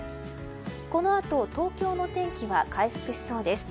このあと東京の天気は回復しそうです。